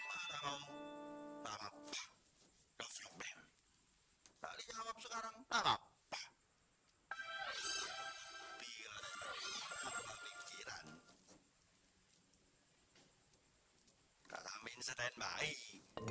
bang kamu tahu masih kita semua kekik ini gara gara kamu untuk menjahit lensi badil